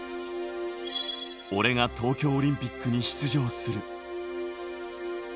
俺が東京オリンピックに出場する。